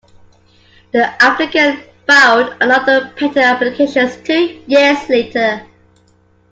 The applicant filed another patent application two years later.